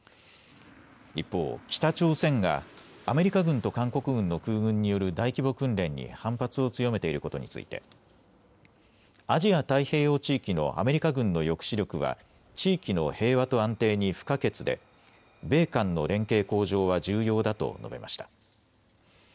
一方、北朝鮮がアメリカ軍と韓国軍の空軍による大規模訓練に反発を強めていることについてアジア太平洋地域のアメリカ軍の抑止力は地域の平和と安定に不可欠で米韓の連携向上は重要だと述べました。